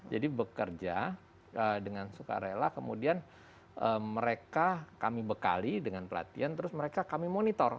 jadi bekerja dengan sukarela kemudian mereka kami bekali dengan pelatihan terus mereka kami monitor